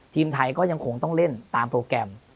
ทีมไทยก็ยังคงต้องเล่นตามโปรแกรม